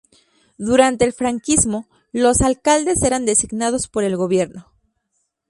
Durante el franquismo los alcaldes eran designados por el gobierno.